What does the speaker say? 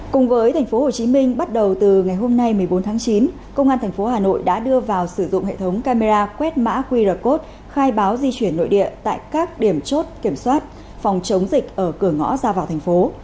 cùng với tp hcm bắt đầu từ ngày hôm nay một mươi bốn tháng chín công an tp hà nội đã đưa vào sử dụng hệ thống camera quét mã qr code khai báo di chuyển nội địa tại các điểm chốt kiểm soát phòng chống dịch ở cửa ngõ ra vào thành phố